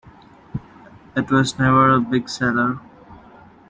It was never a big seller.